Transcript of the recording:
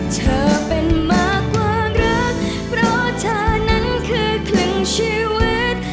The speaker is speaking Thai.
เธอเป็นมากความรักเพราะเธอนั้นคือครึ่งชีวิต